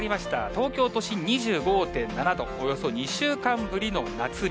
東京都心２５．７度、およそ２週間ぶりの夏日。